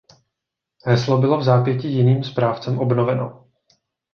Heslo bylo vzápětí jiným správcem obnoveno.